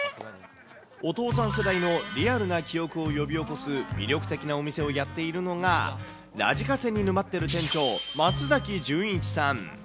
お父さん世代のリアルな記憶を呼び起こす魅力的なお店をやっているのが、ラジカセに沼っている店長、松崎順一さん。